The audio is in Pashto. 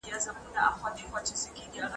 پښتنو هغه ته د بېرته سپرېدلو مجال ورنه کړ.